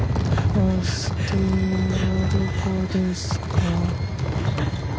バス停はどこですか？